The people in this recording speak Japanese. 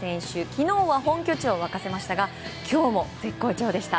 昨日は本拠地を沸かせましたが今日も絶好調でした。